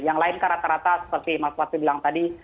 yang lain rata rata seperti mas fatul bilang tadi